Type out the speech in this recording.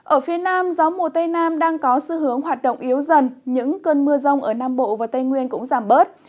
ở phía nam gió mùa tây nam đang có xu hướng hoạt động yếu dần những cơn mưa rông ở nam bộ và tây nguyên cũng giảm bớt